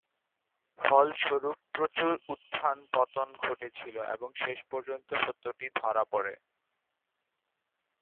ফলস্বরূপ প্রচুর উত্থান-পতন ঘটেছিল এবং শেষ পর্যন্ত সত্যটি ধরা পড়ে।